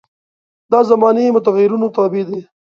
دا زماني متغیرونو تابع دي.